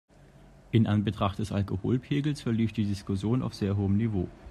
In Anbetracht des Alkoholpegels verlief die Diskussion auf sehr hohem Niveau.